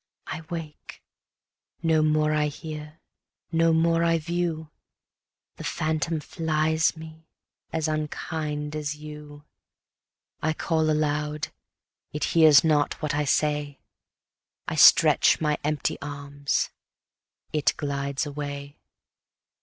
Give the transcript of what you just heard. I wake: no more I hear, no more I view, The phantom flies me, as unkind as you. I call aloud; it hears not what I say: I stretch my empty arms; it glides away.